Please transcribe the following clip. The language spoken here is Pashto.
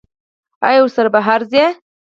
ایا ورسره بهر ځئ؟